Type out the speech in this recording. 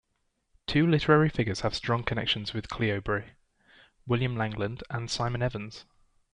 Two literary figures have strong connections with Cleobury: William Langland and Simon Evans.